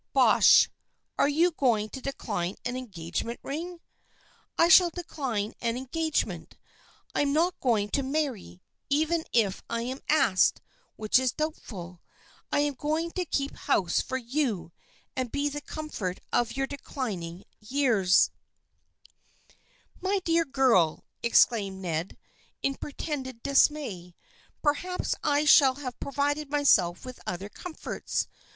" Bosh ! Are you going to decline an engage ment ring ?"" I shall decline an engagement. I'm not going to marry, even if I'm asked, which is doubtful. I am going to keep house for you and be the comfort of your declining years." " 1 I SHALL NEVER WEAR ANY OTHER RING*" THE FKIENDSHIP OF ANNE 187 "My dear girl !" exclaimed Ned, in pretended dismay. " Perhaps I shall have provided myself with other comforts